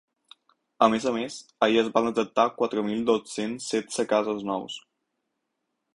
A més a més, ahir es van detectar quatre mil dos-cents setze casos nous.